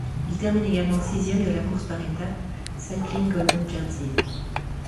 Il termine également sixième de la course par étapes Cycling Golden Jersey.